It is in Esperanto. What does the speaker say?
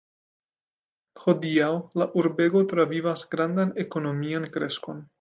Hodiaŭ la urbego travivas grandan ekonomian kreskon.